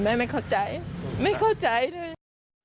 แม่ไม่เข้าใจไม่เข้าใจเลย